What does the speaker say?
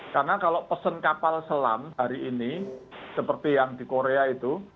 karena kalau pesan kapal selam hari ini seperti yang di korea itu